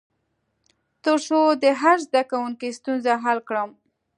تر څو د هر زده کوونکي ستونزه حل کړم.